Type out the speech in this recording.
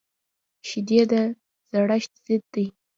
شیدې د زړښت ضد دي